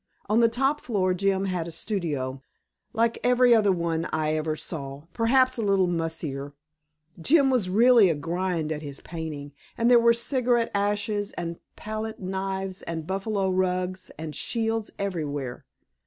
On the top floor Jim had a studio, like every other one I ever saw perhaps a little mussier. Jim was really a grind at his painting, and there were cigarette ashes and palette knives and buffalo rugs and shields everywhere.